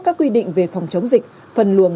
các quy định về phòng chống dịch phân luồng